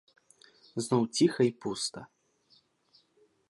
Зноў ціха й пуста.